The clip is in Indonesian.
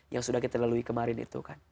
yang sudah kita lalui kemarin itu kan